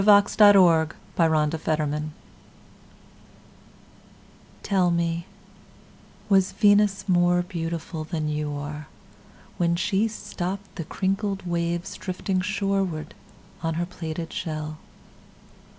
Venus Transiens By Amy Lowell TELL me, Was Venus more beautifulThan you are, When she stoppedThe crinkled waves, Drifting shorewardOn her plaited shell?